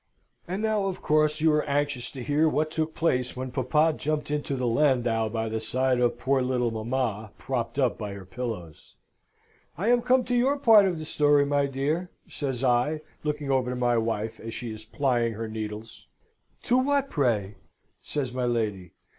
And now of course you are anxious to hear what took place when papa jumped into the landau by the side of poor little mamma, propped up by her pillows. "I am come to your part of the story, my dear," says I, looking over to my wife as she is plying her needles. "To what, pray?" says my lady.